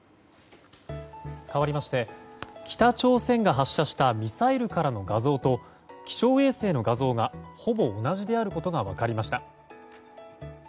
かわりまして北朝鮮が発射したミサイルからの画像と気象衛星の画像がほぼ同じであることが分かりました。